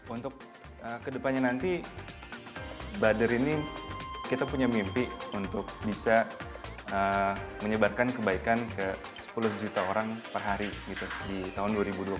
untuk kedepannya nanti badar ini kita punya mimpi untuk bisa menyebarkan kebaikan ke sepuluh juta orang per hari di tahun dua ribu dua puluh satu